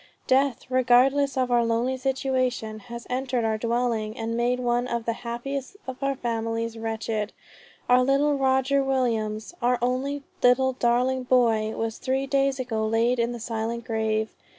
Death, regardless of our lonely situation has entered our dwelling, and made one of the happiest of families wretched. Our little Roger Williams, our only little darling boy, was three days ago laid in the silent grave.